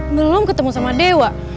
belum ketemu sama dewa